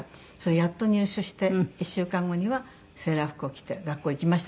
やっと入手して１週間後にはセーラー服を着て学校行きましたね。